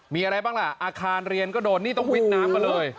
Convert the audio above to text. มีอะไรบ้างล่ะอาคารเรียนก็โดนนี่ต้องวิดน้ำมาเลย